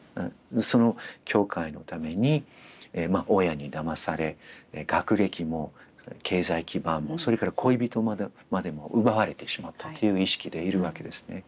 その教会のために親にだまされ学歴も経済基盤もそれから恋人までも奪われてしまったっていう意識でいるわけですね。